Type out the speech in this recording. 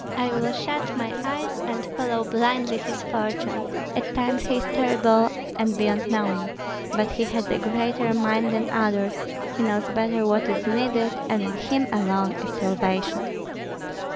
I will shut my eyes and follow blindly his fortune. At times he is terrible and beyond knowing; but he has a greater mind than others, he knows better what is needed, and in him alone is salvation."